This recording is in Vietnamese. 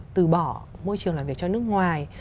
từ bỏ môi trường làm việc cho nước ngoài